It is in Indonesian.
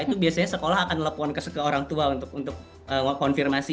itu biasanya sekolah akan telepon ke orang tua untuk konfirmasi